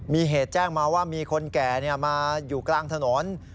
มีเหตุแจ้งมาว่ามีคนแก่มาอยู่กลางถนน